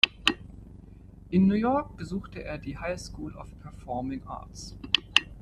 In New York besuchte er die High School of Performing Arts.